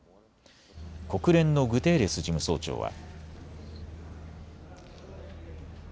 国連のグテーレス事務総長は。